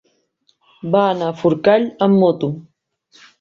Va anar a Forcall amb moto.